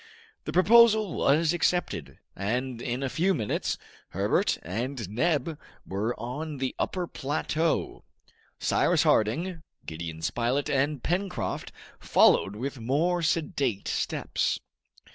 The proposal was accepted, and in a few minutes Herbert and Neb were on the upper plateau. Cyrus Harding, Gideon Spilett, and Pencroft followed with more sedate steps.